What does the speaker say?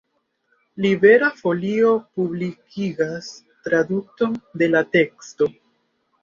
Libera Folio publikigas tradukon de la teksto.